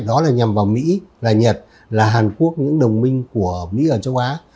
đó là nhằm vào mỹ là nhật là hàn quốc những đồng minh của mỹ ở châu á